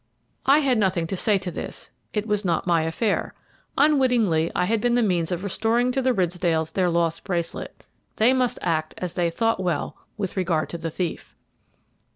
I had nothing to say to this, it was not my affair. Unwittingly I had been the means of restoring to the Ridsdales their lost bracelet; they must act as they thought well with regard to the thief.